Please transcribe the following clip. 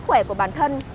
đó là sức khỏe của bản thân